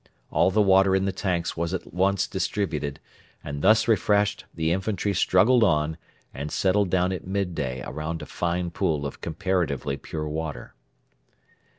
All the water in the tanks was at once distributed, and thus refreshed the infantry struggled on and settled down at midday around a fine pool of comparatively pure water.